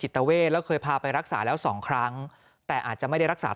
เวทแล้วเคยพาไปรักษาแล้วสองครั้งแต่อาจจะไม่ได้รักษา